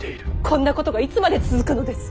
こんなことがいつまで続くのです。